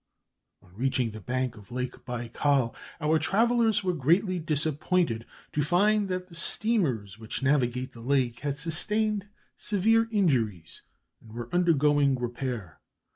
On reaching the bank of Lake Baikal, our travellers were greatly disappointed to find that the steamers which navigate the lake had sustained severe injuries, and were undergoing repair.